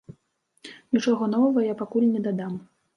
Нічога новага я пакуль не дадам.